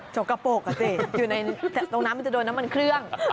กระปรกอ่ะสิอยู่ในตรงนั้นมันจะโดนน้ำมันเครื่อง